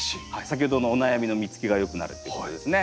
先ほどのお悩みの実つきが良くなるっていうことですね。